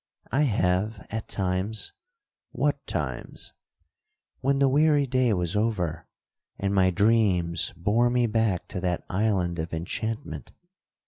'I have at times.'—'What times?'—'When the weary day was over, and my dreams bore me back to that island of enchantment.